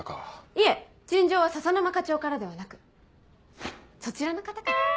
いえ陳情は笹沼課長からではなくそちらの方から。